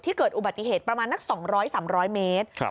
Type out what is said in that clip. เกิดอุบัติเหตุประมาณนัก๒๐๐๓๐๐เมตร